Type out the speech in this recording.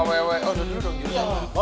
wah ada yang pake jurus